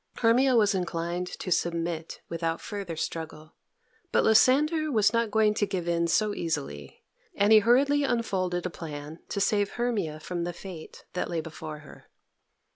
Hermia was inclined to submit without further struggle, but Lysander was not going to give in so easily, and he hurriedly unfolded a plan to save Hermia from the fate that lay before her.